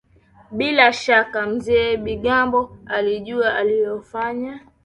bila shaka Mzee Bigambo alijua analolifanya